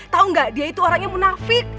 tahu nggak dia itu orangnya munafik